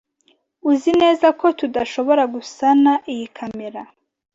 Uzi neza ko tudashobora gusana iyi kamera?